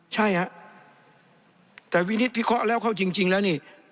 ใช่ฮะแต่วินิตพิเคราะห์แล้วเข้าจริงแล้วนี่